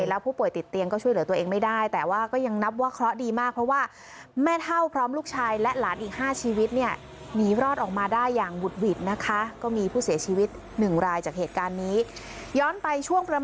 แล้วผู้ป่วยติดเตียงก็ช่วยเหลือตัวเองไม่ได้